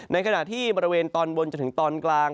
ในขณะที่บริเวณตอนบนจนถึงตอนกลาง